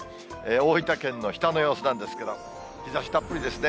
大分県の日田の様子なんですけれども、日ざしたっぷりですね。